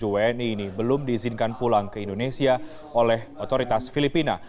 satu ratus tujuh puluh tujuh wni ini belum diizinkan pulang ke indonesia oleh otoritas filipina